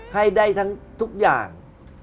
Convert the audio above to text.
ให้ได้ทั้งทุกอย่าง